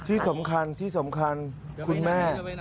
ที่สำคัญคุณแม่